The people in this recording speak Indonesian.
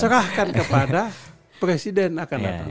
serahkan kepada presiden akan datang